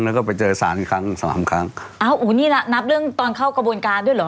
แล้วก็ไปเจอสารอีกครั้งสามครั้งอ้าวอู๋นี่ละนับเรื่องตอนเข้ากระบวนการด้วยเหรอ